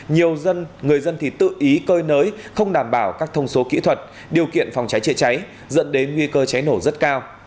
nhiều dân người dân thì tự ý cơi nới không đảm bảo các thông số kỹ thuật điều kiện phòng cháy chữa cháy dẫn đến nguy cơ cháy nổ rất cao